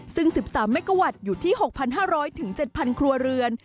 ซึ่ง๑๓เมกาวัตต์อยู่ที่๖๕๐๐๗๐๐ครัวเรือน